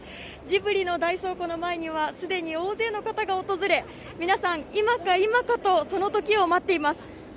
ジブリの大倉庫の前には既に大勢の方が訪れ、皆さん、今か今かとその時を待ってます。